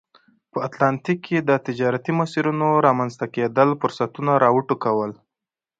په اتلانتیک کې د تجارتي مسیرونو رامنځته کېدل فرصتونه را وټوکول.